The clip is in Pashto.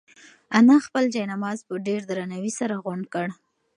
انا خپل جاینماز په ډېر درناوي سره غونډ کړ.